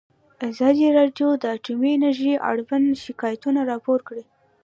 ازادي راډیو د اټومي انرژي اړوند شکایتونه راپور کړي.